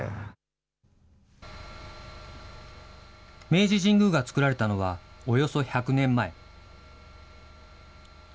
明治神宮が作られたのは、およそ１００年前。